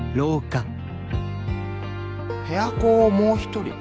部屋子をもう一人。